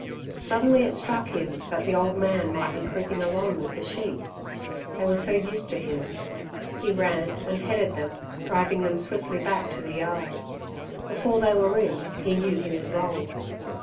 Suddenly it struck him that the old man might be creeping along with the sheep they were so used to him. He ran and headed them, driving them swiftly back to the yard. Before they were in he knew he was wrong.